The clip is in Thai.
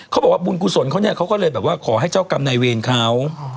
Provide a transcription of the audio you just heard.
เขาบอกว่าบุญกุศลเขาก็เลยแบบว่าขอให้เจ้ากรรมในเวรเขา